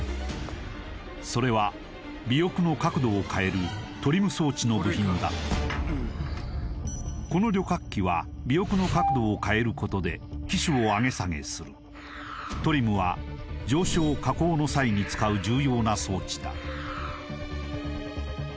それは尾翼の角度を変えるトリム装置の部品だったこの旅客機は尾翼の角度を変えることで機首を上げ下げするトリムは上昇下降の際に使う重要な装置だ